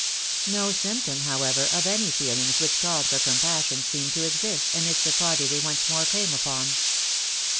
No symptom, however, of any feelings which called for compassion seemed to exist amidst the party they once more came upon.